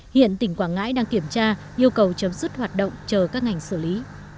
hiện tỉnh quảng ngãi đang kiểm tra yêu cầu chấm dứt hoạt động chờ các ngành xử lý